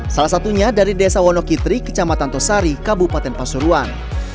salah satunya dari desa wonokitri kecamatan tosari kabupaten pasuruan